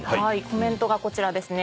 コメントがこちらですね。